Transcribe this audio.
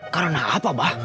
karena apa bah